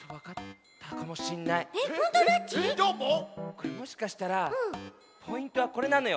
これもしかしたらポイントはこれなのよ。